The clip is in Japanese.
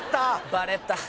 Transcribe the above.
バレた。